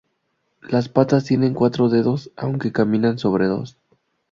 Las patas tienen cuatro dedos, aunque caminan sobre dos.